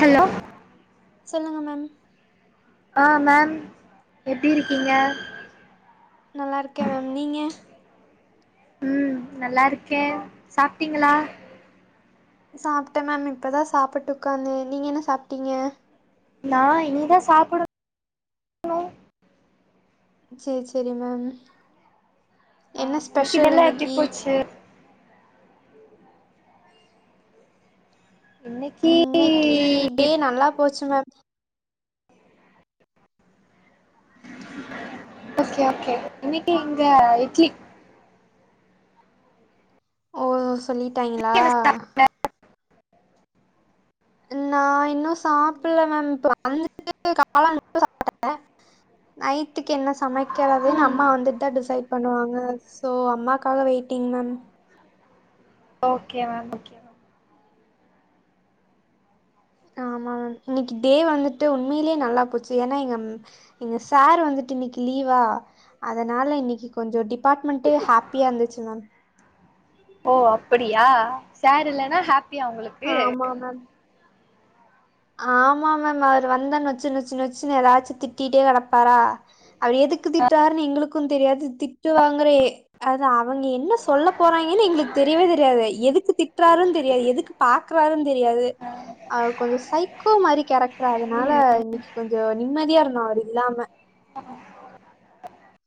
hello சொல்லுங்க ma'am ஆ ma'am எப்படி இருக்கீங்க நல்லா இருக்கேன் மேம் நீங்க உம் நல்லா இருக்கேன் சாப்பிட்டீங்களா சாப்பிட்டேன் மேம் இப்பதான் சாப்பிட்டு உடக்காந்து நீங்க என்ன சாப்பிட்டீங்க நான் நீதான் சாப்பிடும் சரி சரி மேம் என்ன ஸ்பெஷல் அதுக்கிட்டெல்லாம் எப்படி இன்னைக்கி போச்சு இன்னைக்கி இன்னைக்கு டே நல்லா போச்சு மேம் கே இன்னைக்கு எங்க இட்லி ஓ சொல்லிட்டாங்களா நான் இன்னும் சாப்பல மேம் இப்ப வந்துட்டு கால சான் நைட்டுக்கு என்ன சமைக்கதுன்னு ம் அம்மா வந்துட்டு தான் டிசைட் பண்ணுவாங்க சோ அம்மாக்காக வெயிட்டிங ஓகே மேம் ஓக ஆமா மேம் இன்னைக்கு டே வந்துட்டு உண்மையிலயே நல்லா போச்சு ஏன்னா எங்க எங்க சார் வந்துட்டு இன்னைக்கு லீவா அதனால இன்னைக்கு கொஞ்சம் டிபார்ட்மெண்ட்ட ஹாப்பியா இருந்துச்சு மேம் ஓ அப்படியா சரு இல்லனா ஹி பியா உங்களுக்கு ஆமா மேம் ஆமா மேம் அவர் வந்தேன்னு வச்சுன்ன வச்சு வச்சுன்னு ஏதாச்சும் திட்டிட்டே கிடப்பாரா அவர் எதுக்கு திட்டறாருன்னு எங்களுக்கும் தெரியாது திட்டுவாங்குறே அது அவங்க என்ன சொல்ல போறாங்கன்னு எங்களுக்கு தெரியவே தெரியாது எதுக்கு திட்டுறாருன்ன தெரியாது எதுக்கு பாக்குறாருன்ன தெரியாது அவர் கொஞ்சம் சைகோ மாதிரி கேரக்டரா அதனால இன்னைக்கு கொஞ்சம் நிம்மதியா இருந்தும் அவர் இல்லாம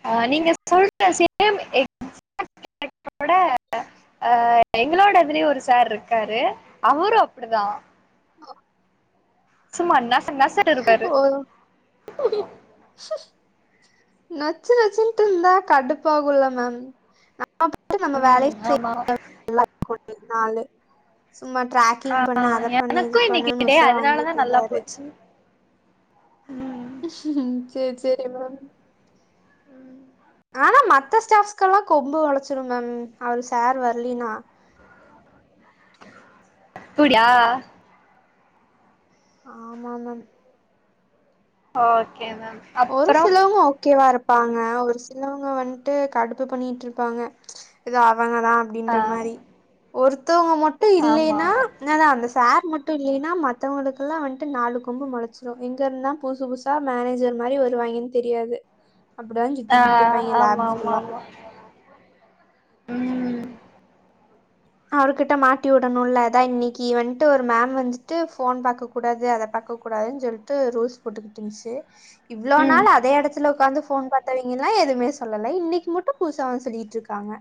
ஆ நீங்க சொல்ற சேம் ஆ எங்களோட இதுலயே ஒரு சார் இருக்காரு அவரும் அப்படிதான் சும்மா நச நசன்னு இருப்பாரு [unintelligible] [inaudible] நச்சு நச்சுன்ட்டு இருந்தா கடுப்பகல மேம் அ நம்ம வேலை ம் ஆமா செய்ய எல்லா பனாலு சும்மா ஆ டிரக்கிங் பண்ண அதை பண்ணு எனக்கு இது இன்னைக்கு பண்ணுன்னனு டே உசர வாங்கிட்டு இருந்தாரு உம் சரி சரி மேடம் உம் ஆனா மத்த ஸ்டாப்ஸ்க்கெ எல்லாம் கொம்பு உளைச்சிடும் மேம் அவரு சார் வரலன்னா புடய ஆமா மேம் ஓ ஒரு சிலவங்க ஓகேவாரப்ப ப்பாங்க ஒரு சிலவங்க வந்துட்டு கடுப்பு பண்ணிட்டு இருப்பாங்க அவங்கதான் அப்படின்ற ஆ மாதிரி ஒரு த்தவங்க மட்டும் ஆமா இல்லலைன்னா ஆமா நதான் அந்த சார் மட்டும் இல்லைன்னா மத்தவங்களுக்கெல்லாம் வந்துட்டு நாலு கொம்பு முளைச்சிடும் இங்க இருந்தான் புதுசு புதுசா மேனேஜர் மாதிரி வருவாங்கன்னு தெரியாது அப்டிதா ஆ சுத்திக்கிட்டு இருப்பாய்ங்க லேப் ஆமா ஆமா ஃபுல்லா ஆமா உம் அவருர்கிட்ட மாட்டி விடணும்ல ஏா இன்னைக்கு வந்துட்டு ஒரு மேம் வந்துட்டு போன் பாக்க கூடாது அதை பார்க்க கூடாதுன்னு சொல்லிட்டு ரூல்ஸ் போட்டுக்கிட்டு இருந்துச்சு இவ்ளோ ம் நாள் அதே இடத்துல உட்காந்து போன் பாத்தவீங்கல்லாம் எதுவுமே சொல்லல இன்னைக்கு மட்டும் பூசாவந்து சொல்லிட்டு இருக்காங்க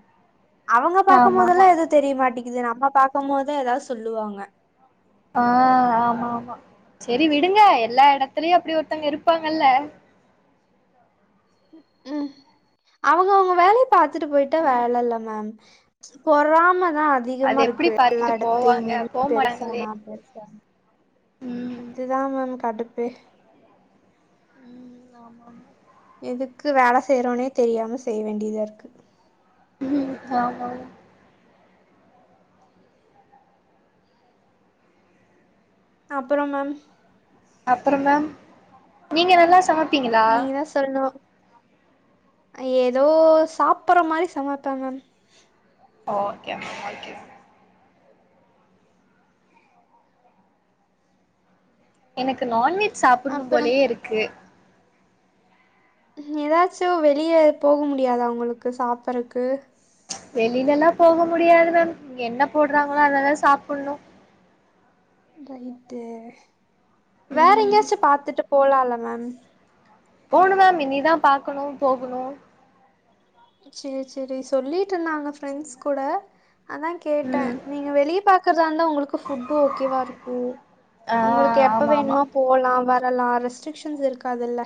அவங்க ஆமா ஆமா பாக்கும்போதெல்லாம் எது மாட்டக்குது நம்ப பாக்கும் போத ஏதாவது சொல்லுவாங்க ஆஹ் ஆமா ஆமா சேரி விடுங்க எல்லா இடத்துலயும் அப்டி ஒருத்தங்க இருப்பாங்கல்ல உம் அவங்க அவங்க வேலய பாத்துட்டு போயிட்டா வேல இல்ல மேம் பொறாம அது அதிகமா எப்டி இருக்கு எல்லா பாத்துட்டு போவாங்க இடத்தையுமே நீ போ பெருசா மாட்டாங்களே நா பெருசா ம் அதுதான் மேம் கடுப்பே உ ஆமாமா எதுக்கு வேல செய்யறோனே தெரியாம செய்ய வேண்டியத இருக்கு உம் ஆமா ஆமா அப்பறம் மேம் அப்பறம் மேம் நீங்க நல்லா சமை நீங்க தான் சொல்லணும் ஏதோ சாப்பற மாரி சமைப்பேன் மேம் ஒகே ஒகே எனக்கு நான்வெஜ் சாப்பிடணும் அப்புறம் போலயே இருக்கு ஏதாச்சும் வெளிய போக முடியாதா உங்களுக்கு சாப்பறக்கு வெளிலல்லாம் போக முடியாது மேம் என்ன போடுறாங்களோ அத‌தான் சாப்பிடணும் ரைட்டு வேற ம் எங்கயாச்சும் பாத்துட்டு போலல்லா மேம் போணு மேம் இனிதான் பாக்கணும் போகணும் சேரி சேரி சொல்லிட்டு இருந்தாங்க ஃபிரண்ட்ஸ் கூட அதான் கேட்டேன் ம் நீங்க வெளியே பாக்கறதா இருந்தா உங்களுக்கு ஃபுட்டு ஓகேவா இருக்கும் ஆ உங்களுக்கு எப்ப ஆமா ஆமா வேணுமா போலாம் வர எல்லா ரெஸ்ட்ரிக்ஷன்ஸ் இருக்காதுல்ல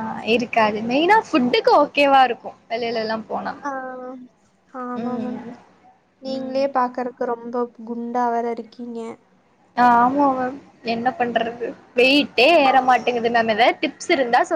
ஆஹ் இருக்காது மெயினா ஃபுட்டுக்கு ஓகேவா இருக்கும் வெளிலல்லாம் ஆஹ் ஆமா மேம் ம் நீங்களே ம் பாக்கறக்கு ரொம்ப குண்டா வேற இருக்கீங்க ஆஹ் ஆமா மேம் என்ன பண்றது வெயிட்டே ஏறமாட்டேங்குது மேம் ஏதாவது டிப்ஸ் இருந்தா சொ